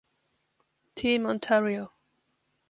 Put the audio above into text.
Team Ontario